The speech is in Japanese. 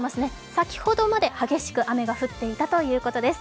先ほどまで激しく雨が降っていたということです。